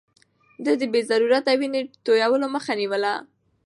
ده د بې ضرورته وينې تويولو مخه نيوله.